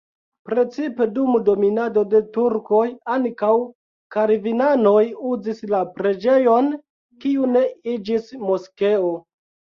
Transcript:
Precipe dum dominado de turkoj ankaŭ kalvinanoj uzis la preĝejon, kiu ne iĝis moskeo.